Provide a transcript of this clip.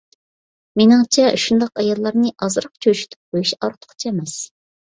مېنىڭچە شۇنداق ئاياللارنى ئازراق چۆچۈتۈپ قويۇش ئارتۇقچە ئەمەس.